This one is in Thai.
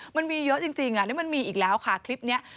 มันมีเยอะจริงแล้วมันมีอีกแล้วค่ะคลิปนี้